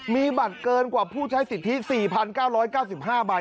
มีบัตรเกินกว่าผู้ใช้สิทธิ๔๙๙๕ใบ